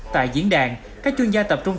tại diễn đàn các chuyên gia tập trung